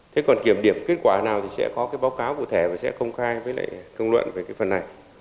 thế còn kiểm điểm kết quả nào thì sẽ có cái báo cáo cụ thể và sẽ công khai với lại công luận về cái phần này